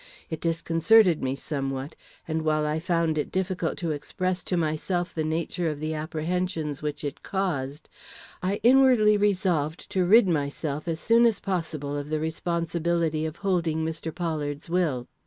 It disconcerted me somewhat; and while I found it difficult to express to myself the nature of the apprehensions which it caused, I inwardly resolved to rid myself as soon as possible of the responsibility of holding Mr. Pollard's will.